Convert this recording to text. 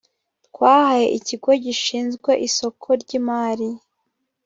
twahaye ikigo gishinzwe isoko ry imari